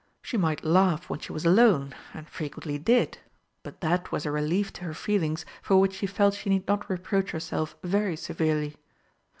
She might laugh when she was alone, and frequently did, but that was a relief to her feelings for which she felt she need not reproach herself very severely.